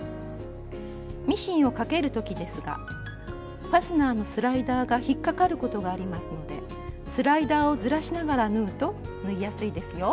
ミシンをかける時ですがファスナーのスライダーが引っかかることがありますのでスライダーをずらしながら縫うと縫いやすいですよ。